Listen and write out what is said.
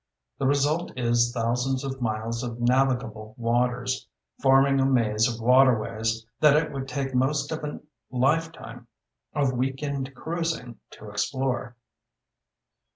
The result is thousands of miles of navigable waters, forming a maze of waterways that it would take most of a lifetime of weekend cruising to explore.